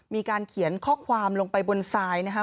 มีการเขียนข้อความลงไปบนทรายนะครับ